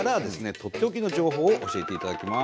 とっておきの情報を教えていただきます。